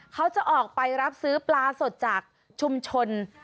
เขาจะออกไปรับซื้อปลาสดจากชุมชน